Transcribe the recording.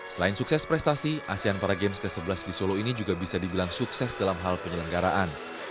selain sukses prestasi asean para games ke sebelas di solo ini juga bisa dibilang sukses dalam hal penyelenggaraan